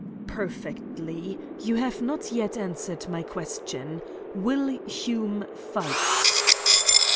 "Perfectly. You have not yet answered my question. Will Hume fight?"